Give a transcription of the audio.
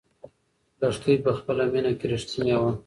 لښتې په خپله مینه کې رښتینې وه.